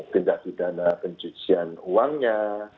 pendaki dana pencucian uangnya